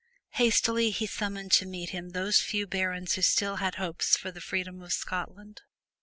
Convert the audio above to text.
Hastily he summoned to meet him those few barons who still had hopes for the freedom of Scotland.